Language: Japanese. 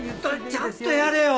ちゃんとやれよ！